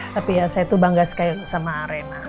tapi ya saya tuh bangga sekali sama arena